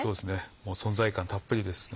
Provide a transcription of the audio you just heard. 存在感たっぷりですね。